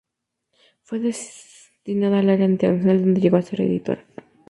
Fue destinada al área internacional, donde llegó a ser editora.